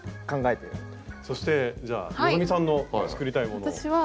そしてじゃあ希さんの作りたいものを。